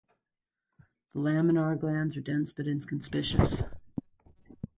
The laminar glands are dense but inconspicuous.